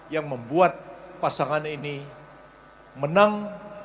yang membuat pasangan ini menang